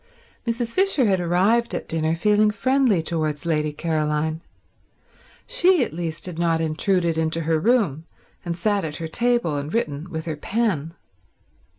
Mrs. Fisher had arrived at dinner feeling friendly towards Lady Caroline. She at least had not intruded into her room and sat at her table and written with her pen.